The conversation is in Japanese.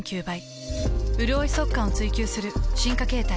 うるおい速乾を追求する進化形態。